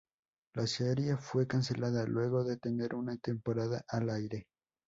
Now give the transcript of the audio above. La serie fue cancelada luego de tener una temporada al aire.